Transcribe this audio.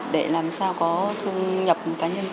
để làm sao có thu nhập cá nhân